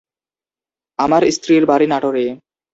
আমার স্ত্রীর বাড়ি নাটোরে।